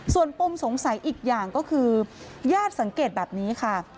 ส่วนปมสงสัยอีกอย่างก็คือญาติสังเกตแบบนี้ค่ะ